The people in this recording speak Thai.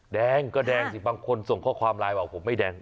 แดงก็แดงสิบางคนส่งข้อความไลน์บอกผมไม่แดง